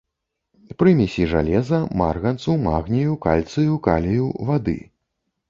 Прымесі жалеза, марганцу, магнію, кальцыю, калію, вады.